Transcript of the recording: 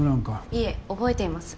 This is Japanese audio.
いえ覚えています。